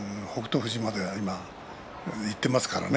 富士まではね言っていますからね。